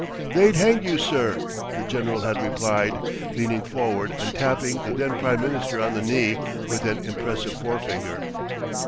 "They'd hang you, sir," the general had replied, leaning forward and tapping the then Prime Minister on the knee with an impressive forefinger.